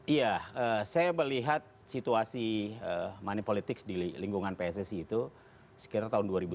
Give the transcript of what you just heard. iya saya melihat situasi money politics di lingkungan pssi itu sekitar tahun dua ribu tujuh belas